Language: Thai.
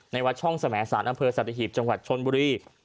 ในวัดช่องสมัยศาลอำเภอสัตวิถีจังหวัดชนบุรี